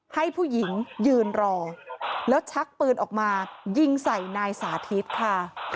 ให้ผู้หญิงยืนรอแล้วชักปืนออกมายิงใส่นายสาธิตค่ะ